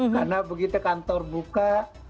karena begitu kantor buka